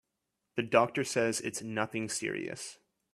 The doctor says it's nothing serious.